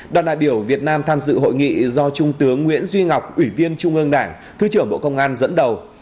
đoàn đại biểu việt nam tham dự hội nghị do trung tướng nguyễn duy ngọc ủy viên trung ương đảng thứ trưởng bộ công an dẫn đầu